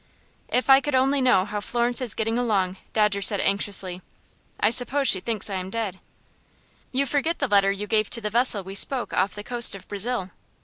"If I could only know how Florence is getting along," Dodger said, anxiously. "I suppose she thinks I am dead." "You forget the letter you gave to the vessel we spoke off the coast of Brazil."